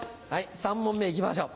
３問目いきましょう。